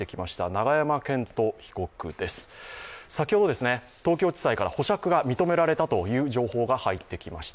永山絢斗被告です、先ほど東京地裁から保釈が認められたという情報が入ってきました。